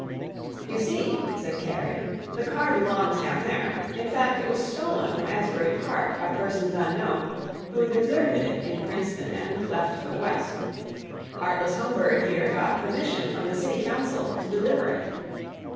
"You see," said Kerry, "the car belongs down there. In fact, it was stolen from Asbury Park by persons unknown, who deserted it in Princeton and left for the West. Heartless Humbird here got permission from the city council to deliver it."